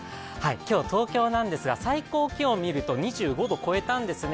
今日、東京なんですが、最高気温を見ると２５度を超えたんですね。